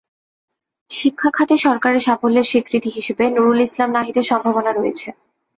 শিক্ষা খাতে সরকারের সাফল্যের স্বীকৃতি হিসেবে নুরুল ইসলাম নাহিদের সম্ভাবনা রয়েছে।